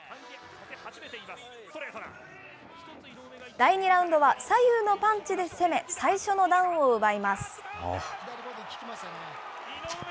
第２ラウンドは、左右のパンチで攻め、最初のダウンを奪います。